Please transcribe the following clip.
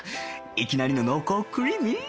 いきなりの濃厚クリーミー！